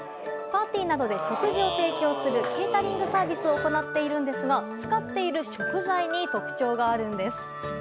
パーティーなどで食事を提供するケータリングサービスを行っているんですが使っている食材に特徴があります。